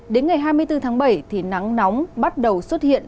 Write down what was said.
đến ngày hai mươi bốn tháng bảy thì nắng nóng bắt đầu xuất hiện